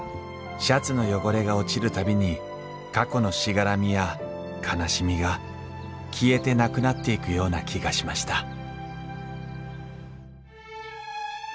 シャツの汚れが落ちる度に過去のしがらみや悲しみが消えてなくなっていくような気がしました